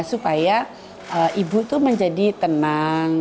supaya ibu menjadi tenang